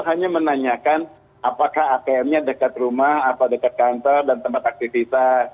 hanya menanyakan apakah atm nya dekat rumah apa dekat kantor dan tempat aktivitas